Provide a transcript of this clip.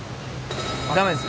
ダメです。